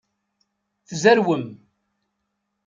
Tzerwem.